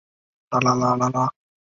一部分过剩数也是半完全数。